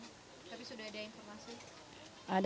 tapi sudah ada informasi